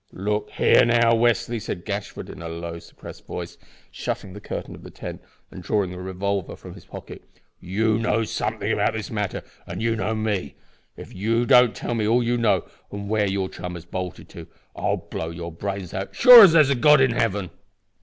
"Look here now, Westly," said Gashford, in a low suppressed voice, shutting the curtain of the tent and drawing a revolver from his pocket, "you know something about this matter, and you know me. If you don't tell me all you know and where your chum has bolted to, I'll blow your brains out as sure as there's a God in heaven."